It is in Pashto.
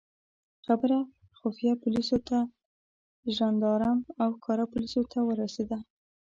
خبره خفیه پولیسو څخه ژندارم او ښکاره پولیسو ته ورسېده.